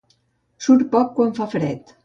Surt poc quan fa fred.